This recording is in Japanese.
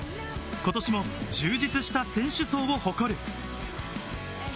今年も充実した選手層を誇る。